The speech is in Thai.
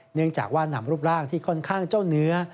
เนื่องจากว่านำรูปร่างที่ค่อนข้างเจ้าเนื้อ